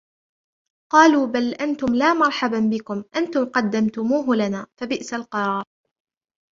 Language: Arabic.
قَالُوا بَلْ أَنْتُمْ لَا مَرْحَبًا بِكُمْ أَنْتُمْ قَدَّمْتُمُوهُ لَنَا فَبِئْسَ الْقَرَارُ